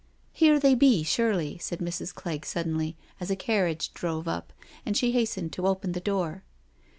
" Here they be surely," said Mrs. Clegg suddenly, as a carriage drove up, and she hastened to open the door.